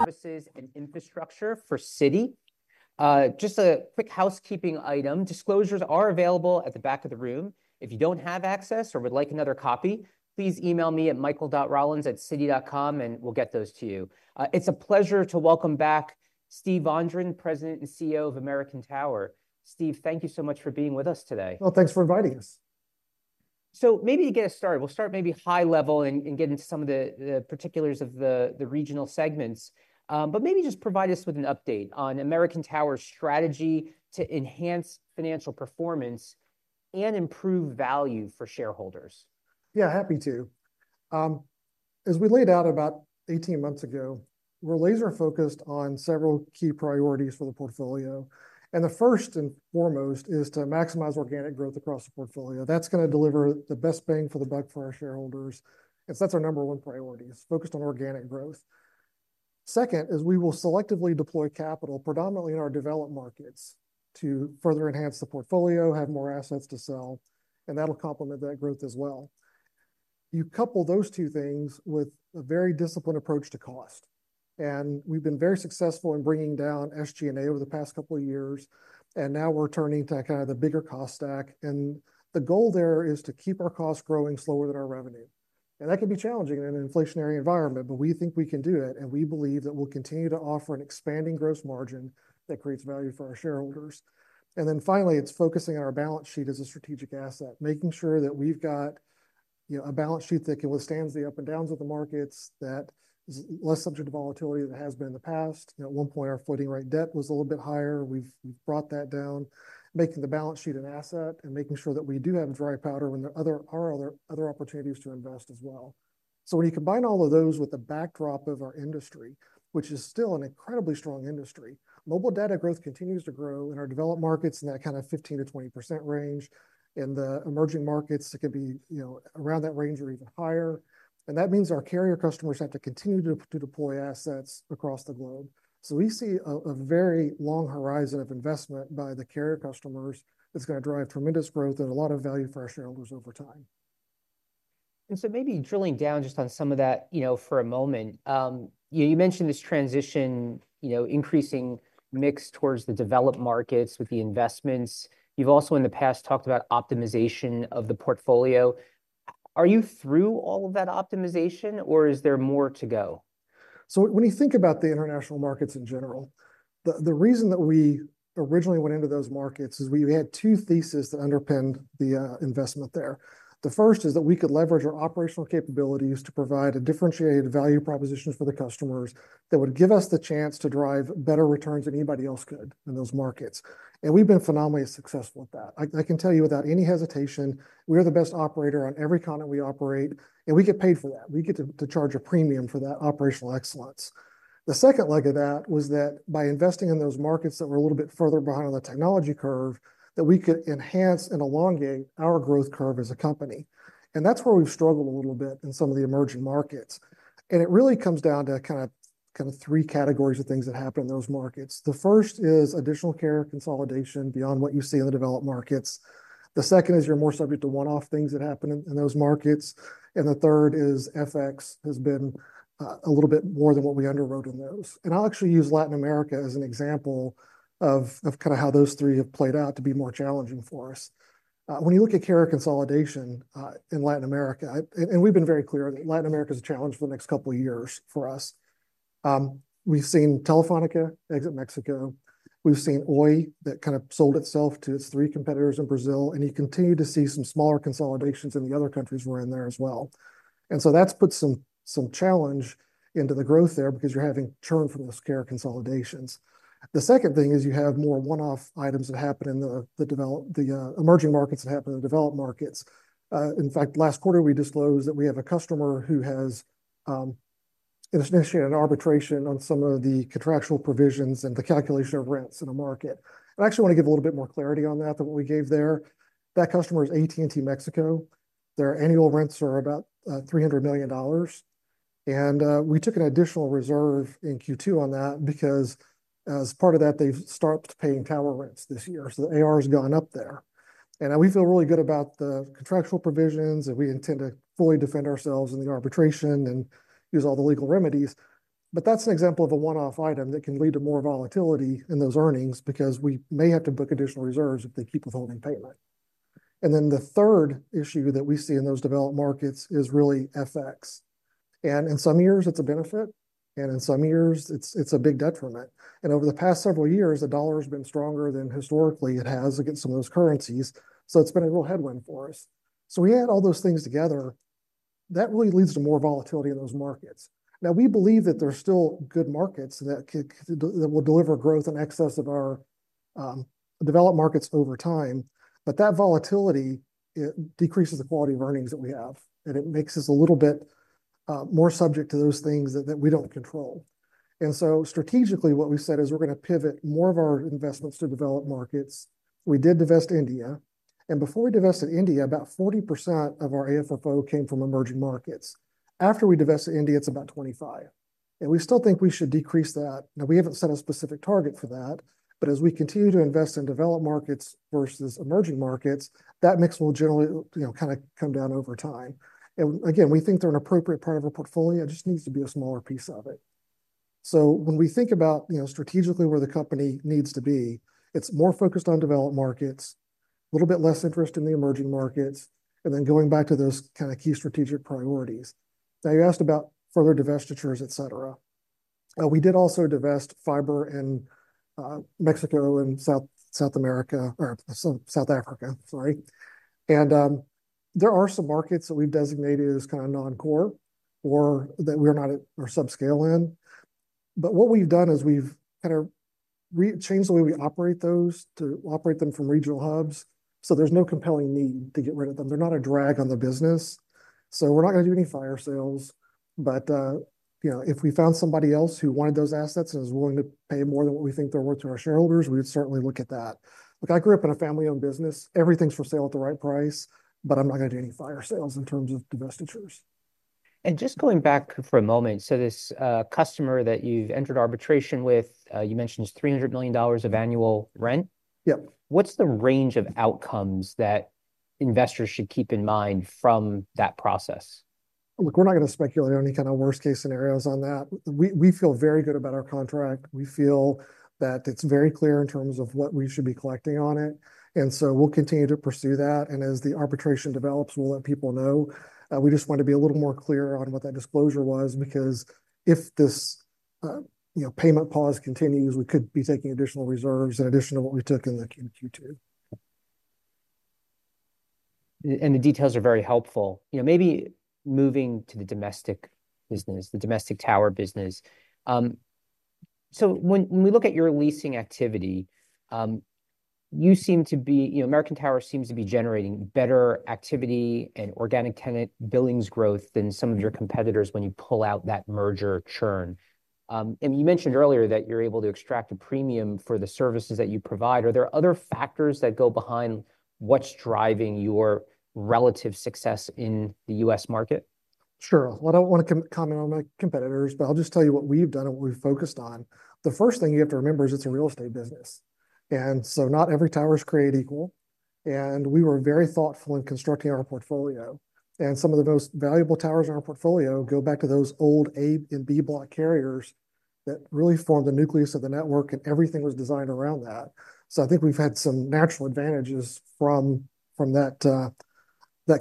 Services and infrastructure for Citi. Just a quick housekeeping item: disclosures are available at the back of the room. If you don't have access or would like another copy, please email me at michael.rollins@citi.com, and we'll get those to you. It's a pleasure to welcome back Steve Vondran, President and CEO of American Tower. Steve, thank you so much for being with us today. Thanks for inviting us. Maybe to get us started, we'll start maybe high-level and get into some of the particulars of the regional segments, but maybe just provide us with an update on American Tower's strategy to enhance financial performance and improve value for shareholders. Yeah, happy to. As we laid out about 18 months ago, we're laser-focused on several key priorities for the portfolio. And the first and foremost is to maximize organic growth across the portfolio. That's going to deliver the best bang for the buck for our shareholders. That's our number one priority: focused on organic growth. Second, is we will selectively deploy capital, predominantly in our developed markets, to further enhance the portfolio, have more assets to sell, and that'll complement that growth as well. You couple those two things with a very disciplined approach to cost. And we've been very successful in bringing down SG&A over the past couple of years. And now we're turning to kind of the bigger cost stack. And the goal there is to keep our costs growing slower than our revenue. That can be challenging in an inflationary environment, but we think we can do it. We believe that we'll continue to offer an expanding gross margin that creates value for our shareholders. Finally, it's focusing on our balance sheet as a strategic asset, making sure that we've got a balance sheet that can withstand the ups and downs of the markets, that is less subject to volatility than it has been in the past. At one point, our floating rate debt was a little bit higher. We've brought that down, making the balance sheet an asset and making sure that we do have dry powder when there are other opportunities to invest as well. So when you combine all of those with the backdrop of our industry, which is still an incredibly strong industry, mobile data growth continues to grow in our developed markets in that kind of 15%-20% range. In the emerging markets, it could be around that range or even higher. And that means our carrier customers have to continue to deploy assets across the globe. So we see a very long horizon of investment by the carrier customers that's going to drive tremendous growth and a lot of value for our shareholders over time. And so maybe drilling down just on some of that for a moment. You mentioned this transition, increasing mix towards the developed markets with the investments. You've also in the past talked about optimization of the portfolio. Are you through all of that optimization, or is there more to go? When you think about the international markets in general, the reason that we originally went into those markets is we had two theses that underpinned the investment there. The first is that we could leverage our operational capabilities to provide a differentiated value proposition for the customers that would give us the chance to drive better returns than anybody else could in those markets. We've been phenomenally successful at that. I can tell you without any hesitation, we are the best operator on every continent we operate, and we get paid for that. We get to charge a premium for that operational excellence. The second leg of that was that by investing in those markets that were a little bit further behind on the technology curve, that we could enhance and elongate our growth curve as a company. And that's where we've struggled a little bit in some of the emerging markets. It really comes down to kind of three categories of things that happen in those markets. The first is additional carrier consolidation beyond what you see in the developed markets. The second is you're more subject to one-off things that happen in those markets. The third is FX has been a little bit more than what we underwrote in those. I'll actually use Latin America as an example of kind of how those three have played out to be more challenging for us. When you look at carrier consolidation in Latin America, we've been very clear that Latin America is a challenge for the next couple of years for us. We've seen Telefónica exit Mexico. We've seen Oi that kind of sold itself to its three competitors in Brazil. And you continue to see some smaller consolidations in the other countries who are in there as well. And so that's put some challenge into the growth there because you're having churn from those carrier consolidations. The second thing is you have more one-off items that happen in the emerging markets that happen in the developed markets. In fact, last quarter, we disclosed that we have a customer who has initiated an arbitration on some of the contractual provisions and the calculation of rents in a market. I actually want to give a little bit more clarity on that than what we gave there. That customer is AT&T Mexico. Their annual rents are about $300 million. And we took an additional reserve in Q2 on that because as part of that, they've stopped paying tower rents this year. So the AR has gone up there. And we feel really good about the contractual provisions, and we intend to fully defend ourselves in the arbitration and use all the legal remedies. But that's an example of a one-off item that can lead to more volatility in those earnings because we may have to book additional reserves if they keep withholding payment. And then the third issue that we see in those developed markets is really FX. And in some years, it's a benefit. And in some years, it's a big detriment. And over the past several years, the dollar has been stronger than historically it has against some of those currencies. So it's been a real headwind for us. So we add all those things together, that really leads to more volatility in those markets. Now, we believe that there are still good markets that will deliver growth in excess of our developed markets over time. But that volatility decreases the quality of earnings that we have. And it makes us a little bit more subject to those things that we don't control. And so strategically, what we said is we're going to pivot more of our investments to developed markets. We did divest India. And before we divested India, about 40% of our AFFO came from emerging markets. After we divested India, it's about 25%. And we still think we should decrease that. Now, we haven't set a specific target for that. But as we continue to invest in developed markets versus emerging markets, that mix will generally kind of come down over time. And again, we think they're an appropriate part of our portfolio. It just needs to be a smaller piece of it. So when we think about strategically where the company needs to be, it's more focused on developed markets, a little bit less interest in the emerging markets, and then going back to those kind of key strategic priorities. Now, you asked about further divestitures, et cetera. We did also divest fiber in Mexico and South Africa, sorry. And there are some markets that we've designated as kind of non-core or that we're not or subscale in. But what we've done is we've kind of changed the way we operate those to operate them from regional hubs. So there's no compelling need to get rid of them. They're not a drag on the business. So we're not going to do any fire sales. But if we found somebody else who wanted those assets and is willing to pay more than what we think they're worth to our shareholders, we would certainly look at that. Look, I grew up in a family-owned business. Everything's for sale at the right price, but I'm not going to do any fire sales in terms of divestitures. And just going back for a moment, so this customer that you've entered arbitration with, you mentioned is $300 million of annual rent? Yep. What's the range of outcomes that investors should keep in mind from that process? Look, we're not going to speculate on any kind of worst-case scenarios on that. We feel very good about our contract. We feel that it's very clear in terms of what we should be collecting on it. And so we'll continue to pursue that. And as the arbitration develops, we'll let people know. We just want to be a little more clear on what that disclosure was because if this payment pause continues, we could be taking additional reserves in addition to what we took in Q2. And the details are very helpful. Maybe moving to the domestic business, the domestic tower business. So when we look at your leasing activity, American Tower seems to be generating better activity and organic tenant billings growth than some of your competitors when you pull out that merger churn. And you mentioned earlier that you're able to extract a premium for the services that you provide. Are there other factors that go behind what's driving your relative success in the U.S. market? Sure. I don't want to comment on my competitors, but I'll just tell you what we've done and what we've focused on. The first thing you have to remember is it's a real estate business, and so not every tower is created equal. We were very thoughtful in constructing our portfolio, and some of the most valuable towers in our portfolio go back to those old A and B block carriers that really formed the nucleus of the network, and everything was designed around that. I think we've had some natural advantages from that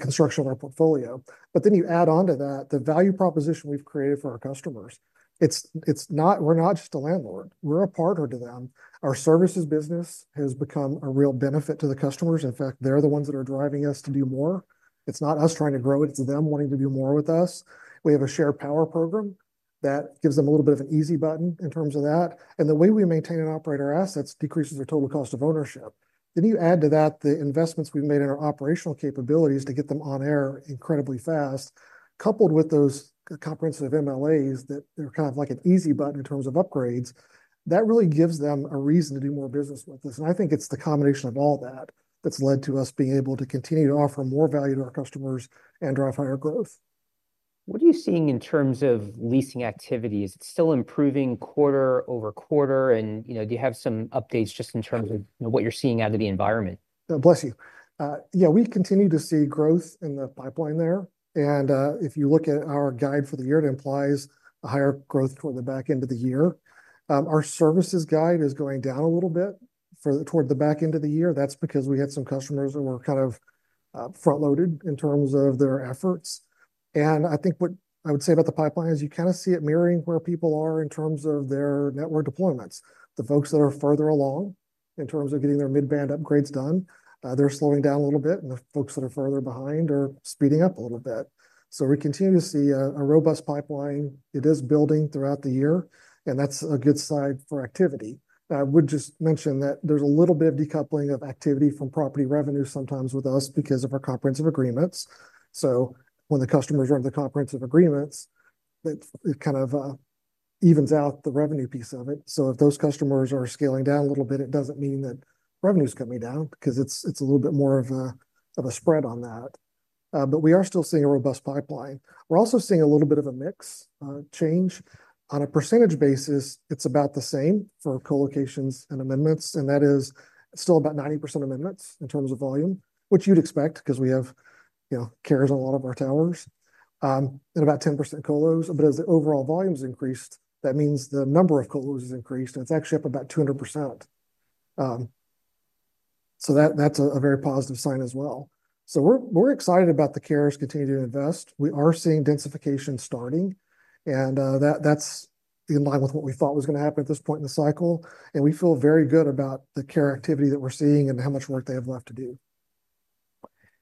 construction of our portfolio. Then you add on to that the value proposition we've created for our customers. We're not just a landlord. We're a partner to them. Our services business has become a real benefit to the customers. In fact, they're the ones that are driving us to do more. It's not us trying to grow it. It's them wanting to do more with us. We have a Shared Power program that gives them a little bit of an easy button in terms of that, and the way we maintain and operate our assets decreases our total cost of ownership, then you add to that the investments we've made in our operational capabilities to get them on air incredibly fast, coupled with those comprehensive MLAs that are kind of like an easy button in terms of upgrades. That really gives them a reason to do more business with us, and I think it's the combination of all that that's led to us being able to continue to offer more value to our customers and drive higher growth. What are you seeing in terms of leasing activity? Is it still improving quarter over quarter? And do you have some updates just in terms of what you're seeing out of the environment? Bless you. Yeah, we continue to see growth in the pipeline there. And if you look at our guide for the year, it implies a higher growth toward the back end of the year. Our services guide is going down a little bit toward the back end of the year. That's because we had some customers that were kind of front-loaded in terms of their efforts. And I think what I would say about the pipeline is you kind of see it mirroring where people are in terms of their network deployments. The folks that are further along in terms of getting their mid-band upgrades done, they're slowing down a little bit. And the folks that are further behind are speeding up a little bit. So we continue to see a robust pipeline. It is building throughout the year. And that's a good sign for activity. I would just mention that there's a little bit of decoupling of activity from property revenue sometimes with us because of our comprehensive agreements. So when the customers are under the comprehensive agreements, it kind of evens out the revenue piece of it. So if those customers are scaling down a little bit, it doesn't mean that revenue's coming down because it's a little bit more of a spread on that. But we are still seeing a robust pipeline. We're also seeing a little bit of a mix change. On a percentage basis, it's about the same for colocations and amendments. And that is still about 90% amendments in terms of volume, which you'd expect because we have carriers on a lot of our towers and about 10% colos. But as the overall volume's increased, that means the number of colos has increased. And it's actually up about 200%. So that's a very positive sign as well. So we're excited about the carriers continuing to invest. We are seeing densification starting. And that's in line with what we thought was going to happen at this point in the cycle. And we feel very good about the carrier activity that we're seeing and how much work they have left to do.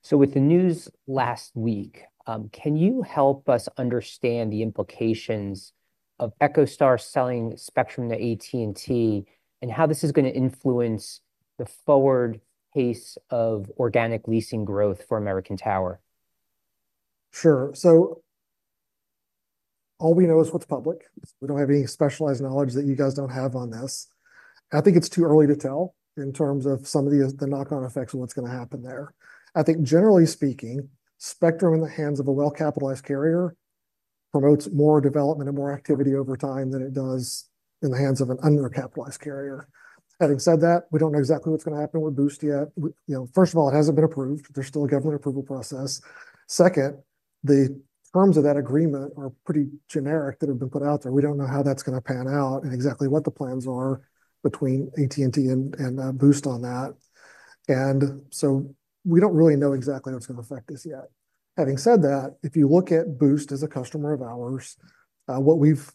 So with the news last week, can you help us understand the implications of EchoStar selling spectrum to AT&T and how this is going to influence the forward pace of organic leasing growth for American Tower? Sure, so all we know is what's public. We don't have any specialized knowledge that you guys don't have on this. I think it's too early to tell in terms of some of the knock-on effects of what's going to happen there. I think, generally speaking, spectrum in the hands of a well-capitalized carrier promotes more development and more activity over time than it does in the hands of an under-capitalized carrier. Having said that, we don't know exactly what's going to happen with Boost yet. First of all, it hasn't been approved. There's still a government approval process. Second, the terms of that agreement are pretty generic that have been put out there. We don't know how that's going to pan out and exactly what the plans are between AT&T and Boost on that, and so we don't really know exactly what's going to affect this yet. Having said that, if you look at Boost as a customer of ours, what we've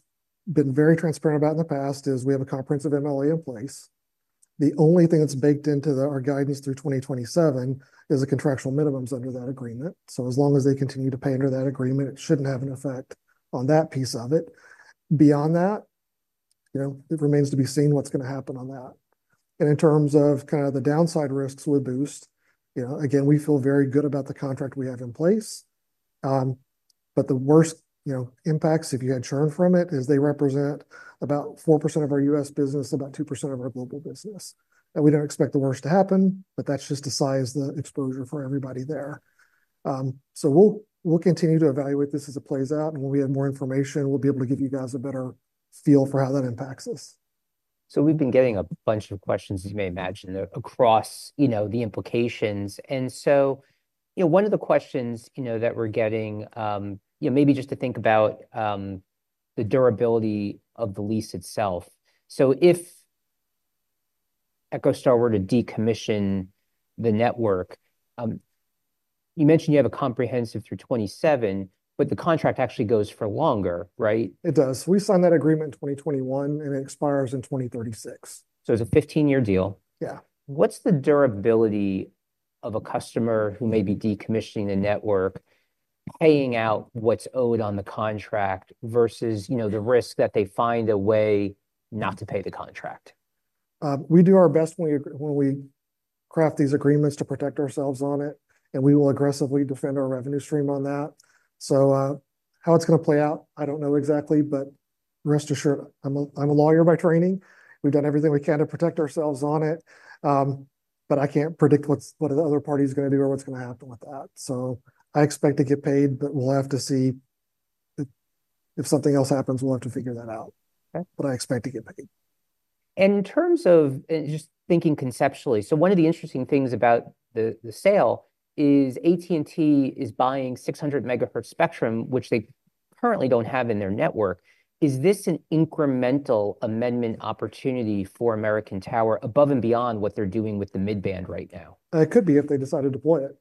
been very transparent about in the past is we have a comprehensive MLA in place. The only thing that's baked into our guidance through 2027 is the contractual minimums under that agreement. So as long as they continue to pay under that agreement, it shouldn't have an effect on that piece of it. Beyond that, it remains to be seen what's going to happen on that. And in terms of kind of the downside risks with Boost, again, we feel very good about the contract we have in place. But the worst impacts, if you had churn from it, is they represent about 4% of our U.S. business, about 2% of our global business. And we don't expect the worst to happen, but that's just to size the exposure for everybody there. We'll continue to evaluate this as it plays out. When we have more information, we'll be able to give you guys a better feel for how that impacts us. So we've been getting a bunch of questions, as you may imagine, across the implications. And so one of the questions that we're getting, maybe just to think about the durability of the lease itself. So if EchoStar were to decommission the network, you mentioned you have a comprehensive through 2027, but the contract actually goes for longer, right? It does. We signed that agreement in 2021, and it expires in 2036. It's a 15-year deal. Yeah. What's the durability of a customer who may be decommissioning the network, paying out what's owed on the contract versus the risk that they find a way not to pay the contract? We do our best when we craft these agreements to protect ourselves on it, and we will aggressively defend our revenue stream on that, so how it's going to play out, I don't know exactly, but rest assured, I'm a lawyer by training. We've done everything we can to protect ourselves on it, but I can't predict what the other party is going to do or what's going to happen with that, so I expect to get paid, but we'll have to see. If something else happens, we'll have to figure that out, but I expect to get paid. In terms of just thinking conceptually, so one of the interesting things about the sale is AT&T is buying 600 MHz spectrum, which they currently don't have in their network. Is this an incremental amendment opportunity for American Tower above and beyond what they're doing with the mid-band right now? It could be if they decide to deploy it. It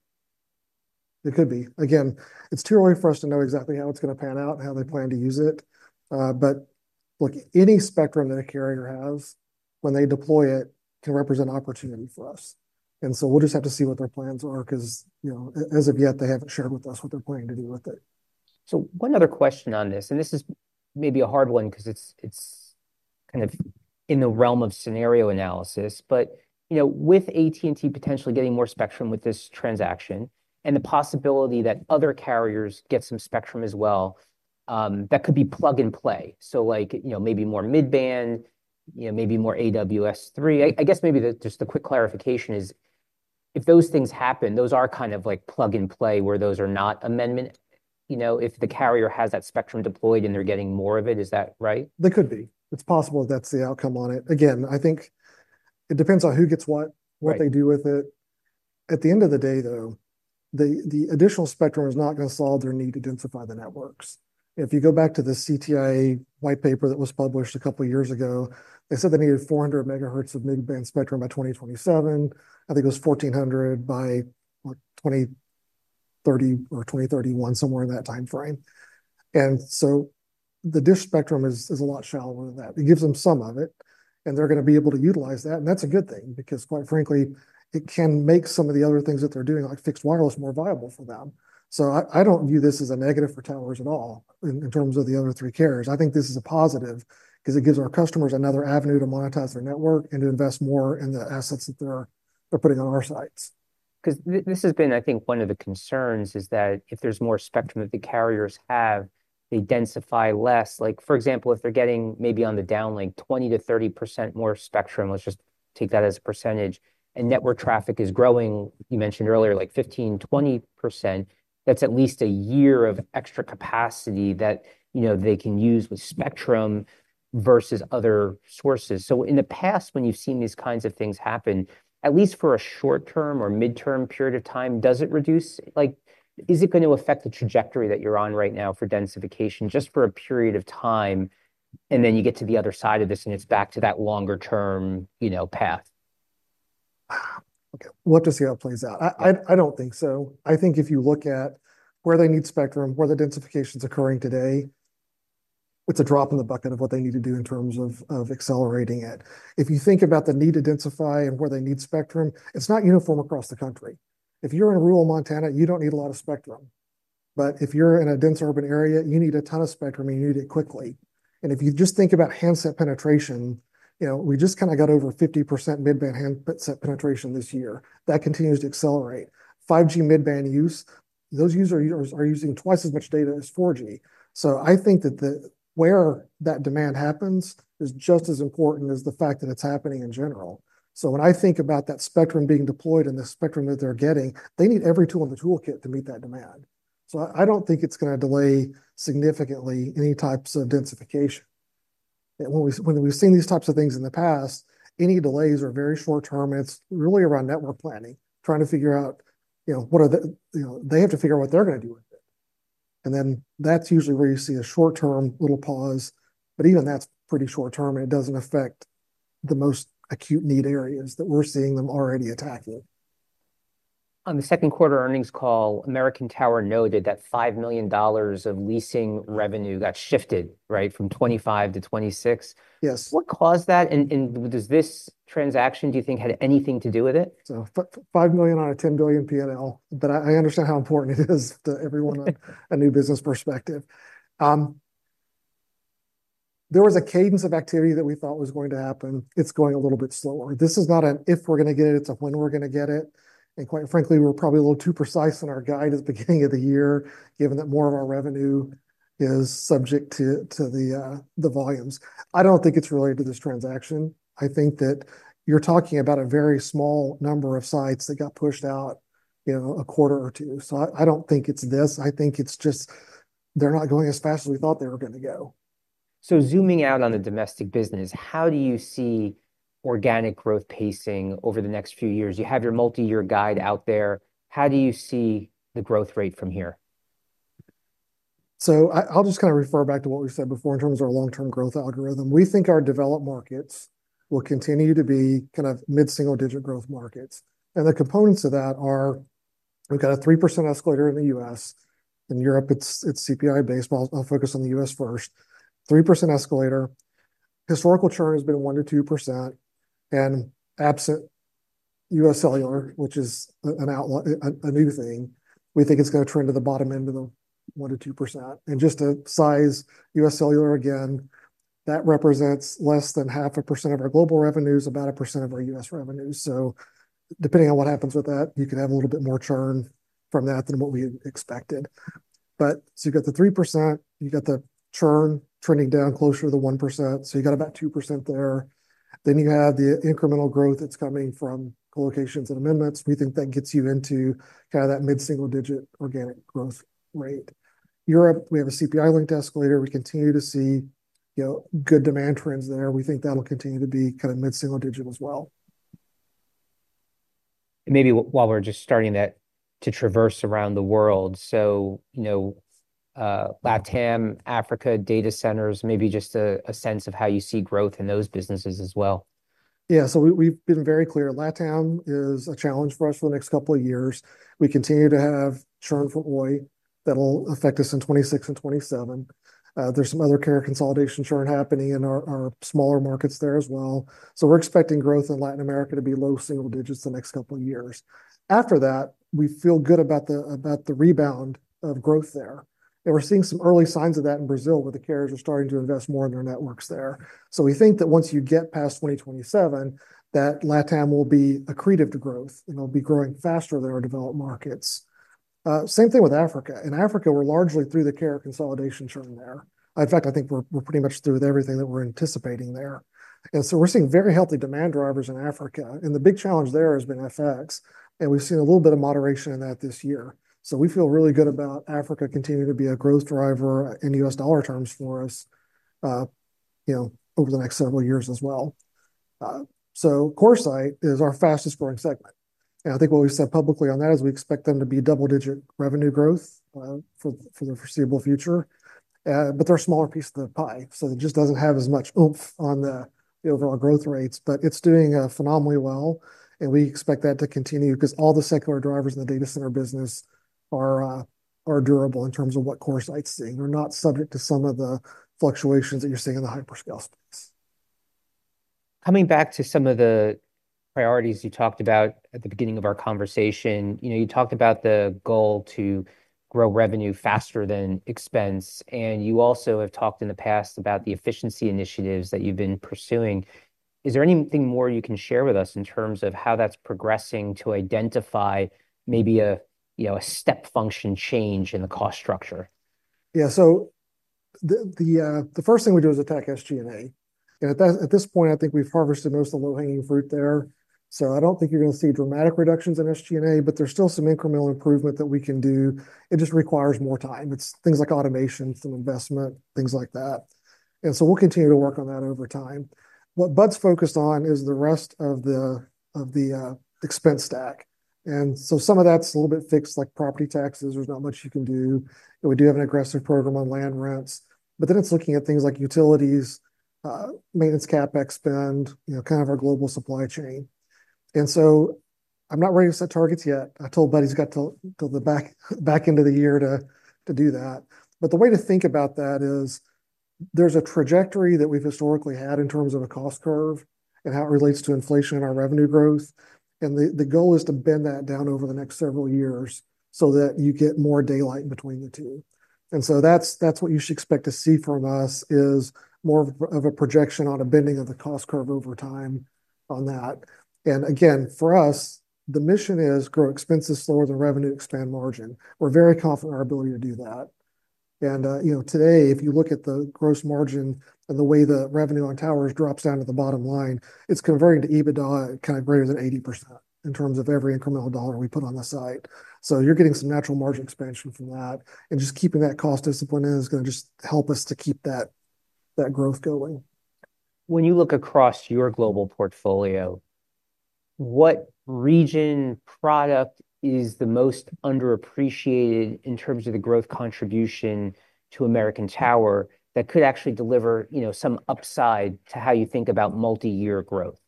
could be. Again, it's too early for us to know exactly how it's going to pan out and how they plan to use it. But look, any spectrum that a carrier has when they deploy it can represent opportunity for us. And so we'll just have to see what their plans are because as of yet, they haven't shared with us what they're planning to do with it. So one other question on this, and this is maybe a hard one because it's kind of in the realm of scenario analysis, but with AT&T potentially getting more spectrum with this transaction and the possibility that other carriers get some spectrum as well, that could be plug and play. So maybe more mid-band, maybe more AWS-3. I guess maybe just a quick clarification is if those things happen, those are kind of like plug and play where those are not amendment. If the carrier has that spectrum deployed and they're getting more of it, is that right? They could be. It's possible that that's the outcome on it. Again, I think it depends on who gets what, what they do with it. At the end of the day, though, the additional spectrum is not going to solve their need to densify the networks. If you go back to the CTIA white paper that was published a couple of years ago, they said they needed 400 MHz of mid-band spectrum by 2027. I think it was 1,400 by 2030 or 2031, somewhere in that timeframe. And so the this spectrum is a lot shallower than that. It gives them some of it, and they're going to be able to utilize that. And that's a good thing because, quite frankly, it can make some of the other things that they're doing, like fixed wireless, more viable for them. So I don't view this as a negative for towers at all in terms of the other three carriers. I think this is a positive because it gives our customers another avenue to monetize their network and to invest more in the assets that they're putting on our sites. Because this has been, I think, one of the concerns is that if there's more spectrum that the carriers have, they densify less. For example, if they're getting maybe on the downlink, 20%-30% more spectrum, let's just take that as a percentage. And network traffic is growing, you mentioned earlier, like 15%-20%. That's at least a year of extra capacity that they can use with spectrum versus other sources. So in the past, when you've seen these kinds of things happen, at least for a short-term or mid-term period of time, does it reduce? Is it going to affect the trajectory that you're on right now for densification just for a period of time? And then you get to the other side of this, and it's back to that longer-term path. What does the outlays add? I don't think so. I think if you look at where they need spectrum, where the densification is occurring today, it's a drop in the bucket of what they need to do in terms of accelerating it. If you think about the need to densify and where they need spectrum, it's not uniform across the country. If you're in rural Montana, you don't need a lot of spectrum. But if you're in a dense urban area, you need a ton of spectrum, and you need it quickly. And if you just think about handset penetration, we just kind of got over 50% mid-band handset penetration this year. That continues to accelerate. 5G mid-band use, those users are using twice as much data as 4G. So I think that where that demand happens is just as important as the fact that it's happening in general. So when I think about that spectrum being deployed and the spectrum that they're getting, they need every tool in the toolkit to meet that demand. So I don't think it's going to delay significantly any types of densification. When we've seen these types of things in the past, any delays are very short-term. It's really around network planning, trying to figure out what they're going to do with it. And then that's usually where you see a short-term little pause. But even that's pretty short-term, and it doesn't affect the most acute need areas that we're seeing them already attacking. On the second quarter earnings call, American Tower noted that $5 million of leasing revenue got shifted from 2025-2026. Yes. What caused that? And does this transaction, do you think, have anything to do with it? So, $5 million on a $10 billion P&L. But I understand how important it is to everyone, a new business perspective. There was a cadence of activity that we thought was going to happen. It's going a little bit slower. This is not an if we're going to get it. It's a when we're going to get it. And quite frankly, we were probably a little too precise in our guide at the beginning of the year, given that more of our revenue is subject to the volumes. I don't think it's related to this transaction. I think that you're talking about a very small number of sites that got pushed out a quarter or two. So I don't think it's this. I think it's just they're not going as fast as we thought they were going to go. Zooming out on the domestic business, how do you see organic growth pacing over the next few years? You have your multi-year guide out there. How do you see the growth rate from here? I'll just kind of refer back to what we've said before in terms of our long-term growth algorithm. We think our developed markets will continue to be kind of mid-single-digit growth markets. And the components of that are, we've got a 3% escalator in the U.S. In Europe, it's CPI-based. I'll focus on the U.S. first. 3% escalator. Historical churn has been 1%-2%. And absent UScellular, which is a new thing, we think it's going to trend to the bottom end of the 1%-2%. And just to size UScellular again, that represents less than 0.5% of our global revenues, about 1% of our U.S. revenues. So depending on what happens with that, you can have a little bit more churn from that than what we expected. But so you got the 3%. You got the churn trending down closer to the 1%. So you got about 2% there. Then you have the incremental growth that's coming from colocations and amendments. We think that gets you into kind of that mid-single-digit organic growth rate. Europe, we have a CPI-linked escalator. We continue to see good demand trends there. We think that'll continue to be kind of mid-single-digit as well. Maybe while we're just starting to traverse around the world, so LATAM, Africa, data centers, maybe just a sense of how you see growth in those businesses as well. Yeah. So we've been very clear. LATAM is a challenge for us for the next couple of years. We continue to have churn for Oi that'll affect us in 2026 and 2027. There's some other carrier consolidation churn happening in our smaller markets there as well. So we're expecting growth in Latin America to be low single digits the next couple of years. After that, we feel good about the rebound of growth there. And we're seeing some early signs of that in Brazil where the carriers are starting to invest more in their networks there. So we think that once you get past 2027, that LATAM will be accretive to growth, and it'll be growing faster than our developed markets. Same thing with Africa. In Africa, we're largely through the carrier consolidation churn there. In fact, I think we're pretty much through with everything that we're anticipating there. And so we're seeing very healthy demand drivers in Africa. And the big challenge there has been FX. And we've seen a little bit of moderation in that this year. So we feel really good about Africa continuing to be a growth driver in U.S. dollar terms for us over the next several years as well. So CoreSite is our fastest-growing segment. And I think what we said publicly on that is we expect them to be double-digit revenue growth for the foreseeable future. But they're a smaller piece of the pie. So it just doesn't have as much oomph on the overall growth rates. But it's doing phenomenally well. And we expect that to continue because all the secular drivers in the data center business are durable in terms of what CoreSite's seeing. They're not subject to some of the fluctuations that you're seeing in the hyperscale space. Coming back to some of the priorities you talked about at the beginning of our conversation, you talked about the goal to grow revenue faster than expense, and you also have talked in the past about the efficiency initiatives that you've been pursuing. Is there anything more you can share with us in terms of how that's progressing to identify maybe a step function change in the cost structure? Yeah. So the first thing we do is attack SG&A. And at this point, I think we've harvested most of the low-hanging fruit there. So I don't think you're going to see dramatic reductions in SG&A, but there's still some incremental improvement that we can do. It just requires more time. It's things like automation, some investment, things like that. And so we'll continue to work on that over time. What Rod's focused on is the rest of the expense stack. And so some of that's a little bit fixed, like property taxes. There's not much you can do. We do have an aggressive program on land rents. But then it's looking at things like utilities, maintenance, CapEx spend, kind of our global supply chain. And so I'm not ready to set targets yet. I told Rod he's got till the back end of the year to do that. The way to think about that is there's a trajectory that we've historically had in terms of a cost curve and how it relates to inflation and our revenue growth. The goal is to bend that down over the next several years so that you get more daylight between the two. That's what you should expect to see from us is more of a projection on a bending of the cost curve over time on that. Again, for us, the mission is grow expenses slower than revenue expand margin. We're very confident in our ability to do that. Today, if you look at the gross margin and the way the revenue on towers drops down to the bottom line, it's converting to EBITDA kind of greater than 80% in terms of every incremental dollar we put on the site. So you're getting some natural margin expansion from that. And just keeping that cost discipline in is going to just help us to keep that growth going. When you look across your global portfolio, what region or product is the most underappreciated in terms of the growth contribution to American Tower that could actually deliver some upside to how you think about multi-year growth?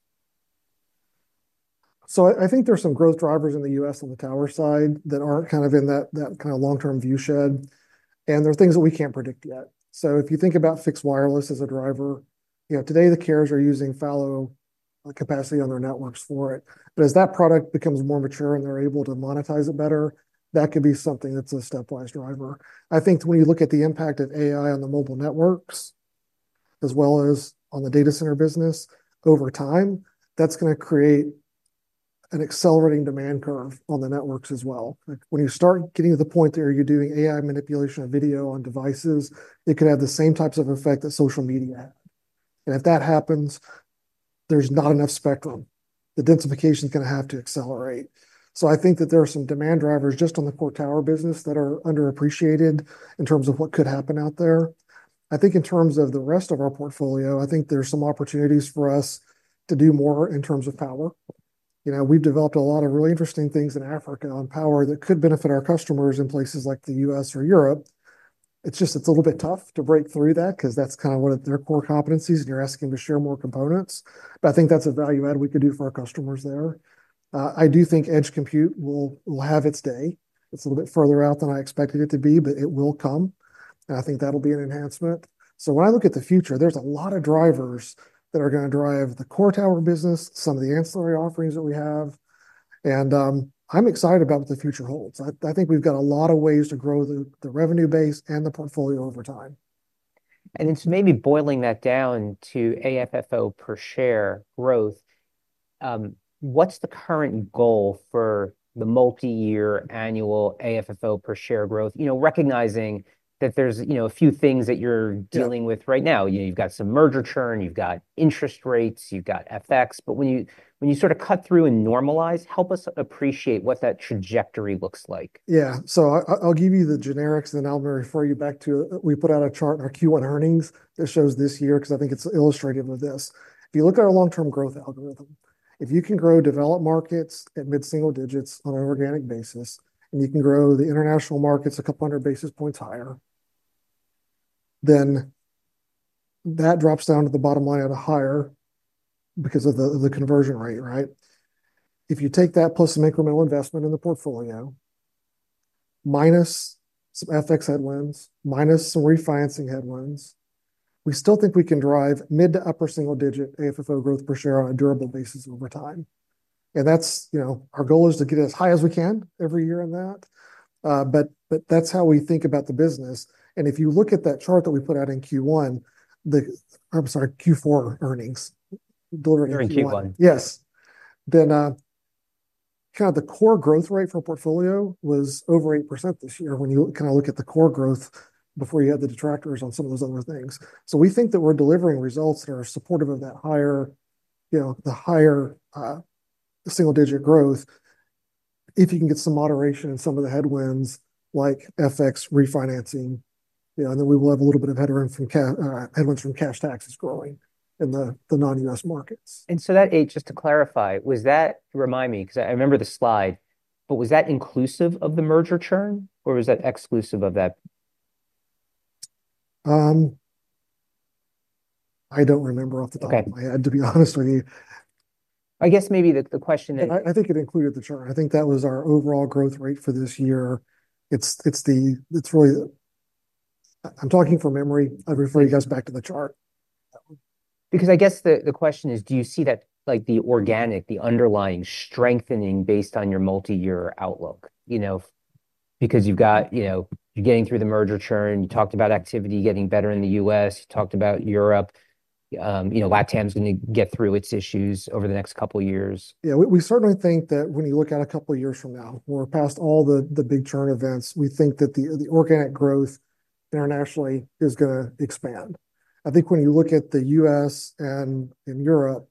So I think there's some growth drivers in the U.S. on the tower side that aren't kind of in that kind of long-term viewshed. And there are things that we can't predict yet. So if you think about fixed wireless as a driver, today the carriers are using fallow capacity on their networks for it. But as that product becomes more mature and they're able to monetize it better, that could be something that's a stepwise driver. I think when you look at the impact of AI on the mobile networks as well as on the data center business over time, that's going to create an accelerating demand curve on the networks as well. When you start getting to the point where you're doing AI manipulation of video on devices, it could have the same types of effect that social media had. And if that happens, there's not enough spectrum. The densification is going to have to accelerate. So I think that there are some demand drivers just on the core tower business that are underappreciated in terms of what could happen out there. I think in terms of the rest of our portfolio, I think there's some opportunities for us to do more in terms of power. We've developed a lot of really interesting things in Africa on power that could benefit our customers in places like the U.S. or Europe. It's just it's a little bit tough to break through that because that's kind of one of their core competencies, and you're asking to share more components. But I think that's a value add we could do for our customers there. I do think edge compute will have its day. It's a little bit further out than I expected it to be, but it will come, and I think that'll be an enhancement. So when I look at the future, there's a lot of drivers that are going to drive the core tower business, some of the ancillary offerings that we have, and I'm excited about what the future holds. I think we've got a lot of ways to grow the revenue base and the portfolio over time. It's maybe boiling that down to AFFO per share growth. What's the current goal for the multi-year annual AFFO per share growth, recognizing that there's a few things that you're dealing with right now? You've got some merger churn. You've got interest rates. You've got FX. But when you sort of cut through and normalize, help us appreciate what that trajectory looks like. Yeah. So I'll give you the generics, and then I'll refer you back to we put out a chart in our Q1 earnings that shows this year because I think it's illustrative of this. If you look at our long-term growth algorithm, if you can grow developed markets at mid-single digits on an organic basis, and you can grow the international markets a couple hundred basis points higher, then that drops down to the bottom line at a higher because of the conversion rate, right? If you take that plus some incremental investment in the portfolio, minus some FX headwinds, minus some refinancing headwinds, we still think we can drive mid- to upper-single-digit AFFO growth per share on a durable basis over time. And our goal is to get as high as we can every year in that. But that's how we think about the business. If you look at that chart that we put out in Q1, I'm sorry, Q4 earnings. During Q1. Yes. Then kind of the core growth rate for a portfolio was over 8% this year when you kind of look at the core growth before you add the detractors on some of those other things. So we think that we're delivering results that are supportive of that higher, the higher single digit growth if you can get some moderation in some of the headwinds like FX refinancing. And then we will have a little bit of headwinds from cash taxes growing in the non-U.S. markets. And so that, just to clarify, was that? Remind me because I remember the slide, but was that inclusive of the merger churn or was that exclusive of that? I don't remember off the top of my head, to be honest with you. I guess maybe the question that. I think it included the churn. I think that was our overall growth rate for this year. It's really, I'm talking from memory. I'll refer you guys back to the chart. Because I guess the question is, do you see that the organic, the underlying strengthening based on your multi-year outlook? Because you've got, you're getting through the merger churn. You talked about activity getting better in the U.S. You talked about Europe. LATAM's going to get through its issues over the next couple of years. Yeah. We certainly think that when you look at a couple of years from now, we're past all the big churn events. We think that the organic growth internationally is going to expand. I think when you look at the U.S. and Europe,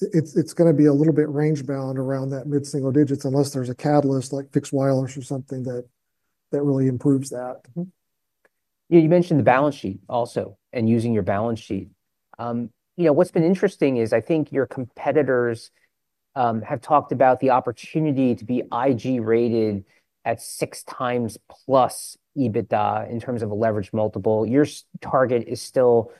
it's going to be a little bit range-bound around that mid-single digits unless there's a catalyst like fixed wireless or something that really improves that. You mentioned the balance sheet also and using your balance sheet. What's been interesting is I think your competitors have talked about the opportunity to be IG rated at six times plus EBITDA in terms of a leverage multiple. Your target is still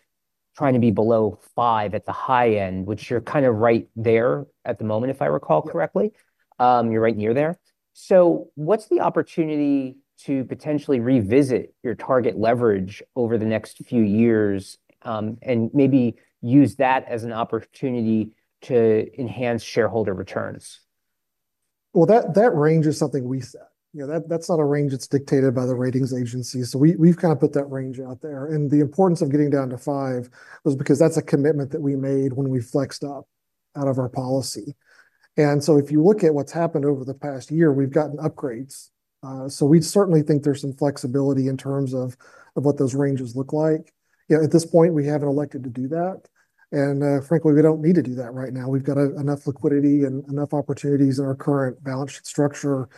trying to be below five at the high end, which you're kind of right there at the moment, if I recall correctly. You're right near there. So what's the opportunity to potentially revisit your target leverage over the next few years and maybe use that as an opportunity to enhance shareholder returns? That range is something we set. That's not a range that's dictated by the ratings agency, so we've kind of put that range out there, and the importance of getting down to five was because that's a commitment that we made when we flexed up out of our policy, and so if you look at what's happened over the past year, we've gotten upgrades, so we certainly think there's some flexibility in terms of what those ranges look like. At this point, we haven't elected to do that, and frankly, we don't need to do that right now. We've got enough liquidity and enough opportunities in our current balance sheet structure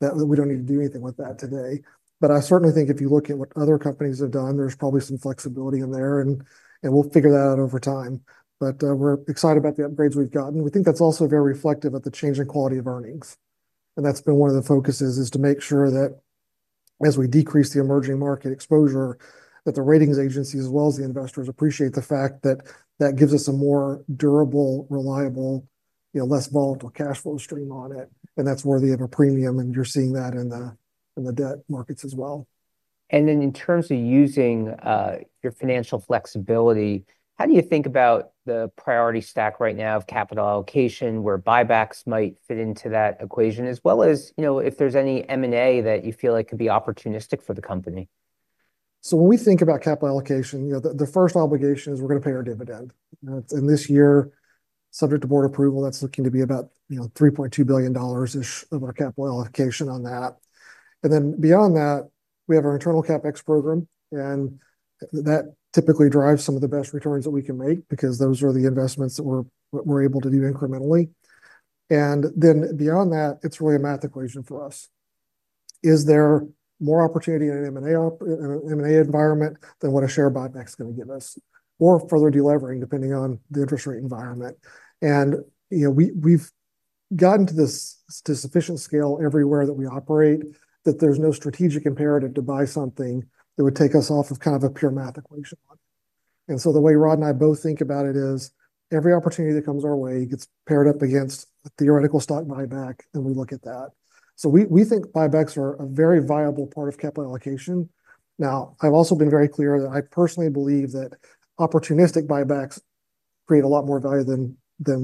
that we don't need to do anything with that today, but I certainly think if you look at what other companies have done, there's probably some flexibility in there, and we'll figure that out over time. But we're excited about the upgrades we've gotten. We think that's also very reflective of the change in quality of earnings. And that's been one of the focuses is to make sure that as we decrease the emerging market exposure, that the rating agencies as well as the investors appreciate the fact that that gives us a more durable, reliable, less volatile cash flow stream on it. And that's worthy of a premium. And you're seeing that in the debt markets as well. Then in terms of using your financial flexibility, how do you think about the priority stack right now of capital allocation where buybacks might fit into that equation, as well as if there's any M&A that you feel like could be opportunistic for the company? So when we think about capital allocation, the first obligation is we're going to pay our dividend. And this year, subject to board approval, that's looking to be about $3.2 billion-ish of our capital allocation on that. And then beyond that, we have our internal CapEx program. And that typically drives some of the best returns that we can make because those are the investments that we're able to do incrementally. And then beyond that, it's really a math equation for us. Is there more opportunity in an M&A environment than what a share buyback's going to give us or further delivering depending on the interest rate environment? And we've gotten to sufficient scale everywhere that we operate that there's no strategic imperative to buy something that would take us off of kind of a pure math equation. And so the way Rod and I both think about it is every opportunity that comes our way gets paired up against a theoretical stock buyback, and we look at that. So we think buybacks are a very viable part of capital allocation. Now, I've also been very clear that I personally believe that opportunistic buybacks create a lot more value than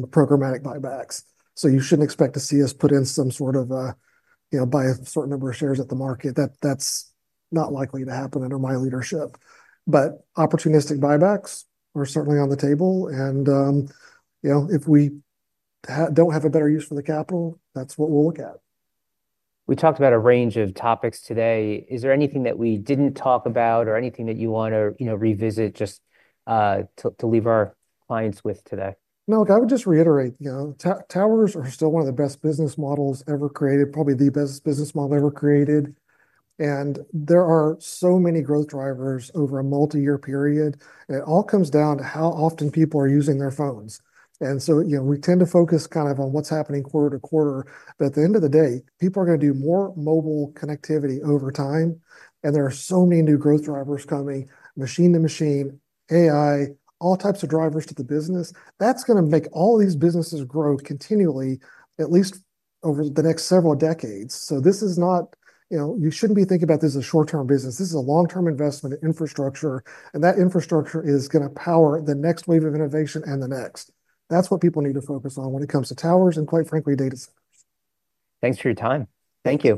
programmatic buybacks. So you shouldn't expect to see us put in some sort of buy a certain number of shares at the market. That's not likely to happen under my leadership. But opportunistic buybacks are certainly on the table. And if we don't have a better use for the capital, that's what we'll look at. We talked about a range of topics today. Is there anything that we didn't talk about or anything that you want to revisit just to leave our clients with today? No, I would just reiterate. Towers are still one of the best business models ever created, probably the best business model ever created. And there are so many growth drivers over a multi-year period. It all comes down to how often people are using their phones. And so we tend to focus kind of on what's happening quarter to quarter. But at the end of the day, people are going to do more mobile connectivity over time. And there are so many new growth drivers coming, machine to machine, AI, all types of drivers to the business. That's going to make all these businesses grow continually at least over the next several decades. So this is not you shouldn't be thinking about this as a short-term business. This is a long-term investment in infrastructure. And that infrastructure is going to power the next wave of innovation and the next. That's what people need to focus on when it comes to towers and, quite frankly, data centers. Thanks for your time. Thank you.